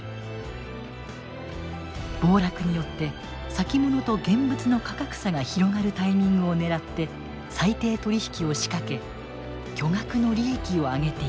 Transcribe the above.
暴落によって先物と現物の価格差が広がるタイミングを狙って裁定取引を仕掛け巨額の利益を上げていた。